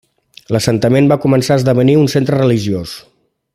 L'assentament va començar a esdevenir un centre religiós.